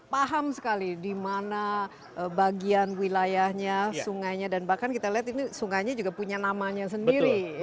paham sekali di mana bagian wilayahnya sungainya dan bahkan kita lihat ini sungainya juga punya namanya sendiri